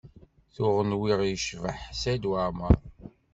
Tuɣ nwiɣ yecbeḥ Saɛid Waɛmaṛ.